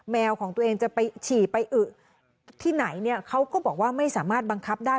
ของตัวเองจะไปฉี่ไปอึที่ไหนเนี่ยเขาก็บอกว่าไม่สามารถบังคับได้